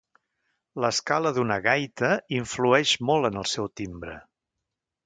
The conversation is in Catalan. L'escala d'una gaita influeix molt en el seu timbre.